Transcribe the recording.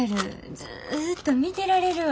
ずっと見てられるわ。